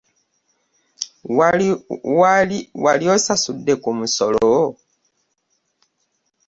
Wali osasudde ku musolo?